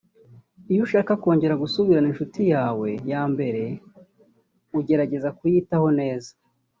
Iyo ushaka kongera gusubirana n’inshuti yawe yambere ugerageza kuyitwaraho neza